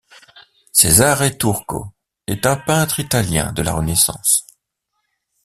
Cesare Turco est un peintre italien de la Renaissance.